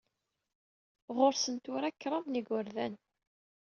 Ɣur-sen tura kraḍ n igerdan.